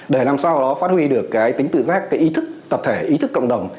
để làm sao đó phát huy được cái tính tự giác cái ý thức tập thể ý thức cộng đồng